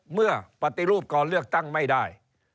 เมื่อปฏิรูปก่อนเลือกตั้งไม่ได้